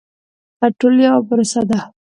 کنټرول یوه پروسه ده.